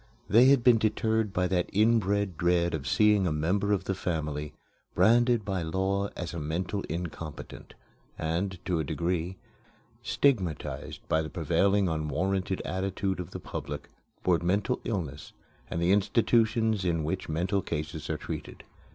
They had been deterred by that inbred dread of seeing a member of the family branded by law as a mental incompetent, and, to a degree, stigmatized by the prevailing unwarranted attitude of the public toward mental illness and the institutions in which mental cases are treated.